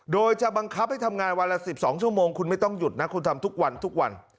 โดยจะบังคับให้ทำงานวันละ๑๒ชั่วโมงคุณไม่ต้องหยุดนะคุณทำทุกวันทุกวัน